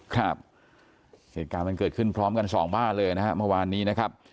ครับเหตุการณ์มันเกิดขึ้นพร้อมกันสองบ้านเลยนะฮะเมื่อวานนี้นะครับ